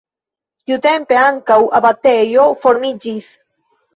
Tiutempe ankaŭ abatejo formiĝis.